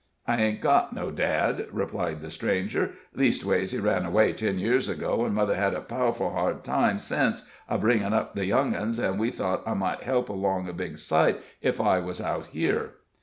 "I ain't got no dad," replied the stranger; "leastways he ran away ten years ago, an' mother had a powerful hard time since, a bringin' up the young uns, an' we thought I might help along a big sight if I was out here."